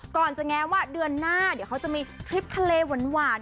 ก่อนจะแง้ว่าเดือนหน้าเดี๋ยวเขาจะมีทริปทะเลหวาน